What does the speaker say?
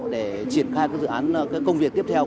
để triển khai dự án công việc tiếp theo